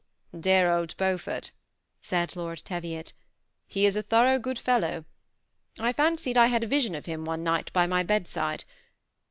" Dear old Beaufort !" said Lord Teviot ;" he is a thorough good fellow. I fancied I had a vision of him one night by my bedside.